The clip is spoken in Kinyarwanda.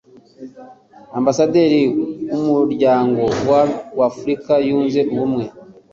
Ambasaderi w'Umuryango wa Afurika Yunze Ubumwe